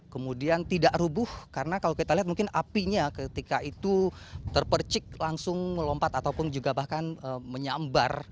kemudian tidak rubuh karena kalau kita lihat mungkin apinya ketika itu terpercik langsung melompat ataupun juga bahkan menyambar